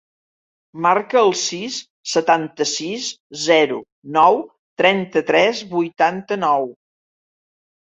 Marca el sis, setanta-sis, zero, nou, trenta-tres, vuitanta-nou.